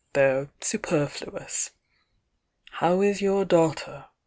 They're superflu ous. How IS your daughter?'